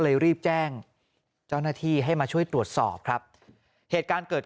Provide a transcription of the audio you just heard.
รีบแจ้งเจ้าหน้าที่ให้มาช่วยตรวจสอบครับเหตุการณ์เกิด